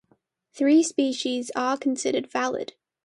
Three species are considered valid.